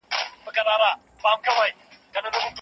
څه وخت خصوصي سکتور مالګه هیواد ته راوړي؟